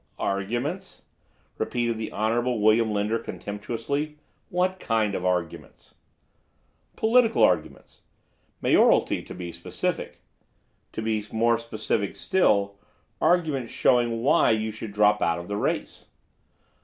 "Arguments," repeated the Honorable William Lender contemptuously. "What kind of arguments?" "Political arguments. Mayoralty, to be specific. To be more specific still, arguments showing why you should drop out of the race."